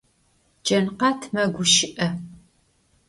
Cankhat meguşı'e.